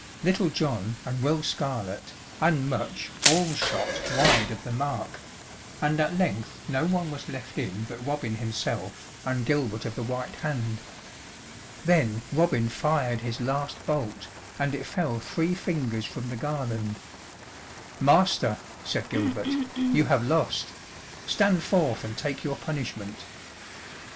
Little John and Will Scarlett, and Much, all shot wide of the mark, and at length no one was left in but Robin himself and Gilbert of the White Hand. Then Robin fired his last bolt, and it fell three fingers from the garland. "Master," said Gilbert, "you have lost, stand forth and take your punishment."